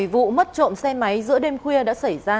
vụ mất trộm xe máy giữa đêm khuya đã xảy ra